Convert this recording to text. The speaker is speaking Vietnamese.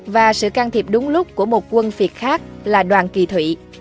và sự can thiệp đúng lúc của một quân việt khác là đoàn kỳ thủy